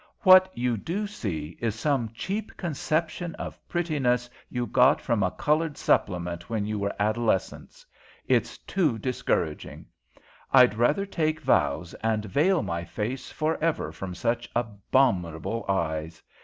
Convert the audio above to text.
What you do see, is some cheap conception of prettiness you got from a coloured supplement when you were adolescents. It's too discouraging. I'd rather take vows and veil my face for ever from such abominable eyes.